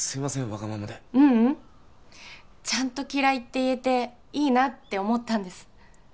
わがままでううんちゃんと「嫌い」って言えていいなって思ったんです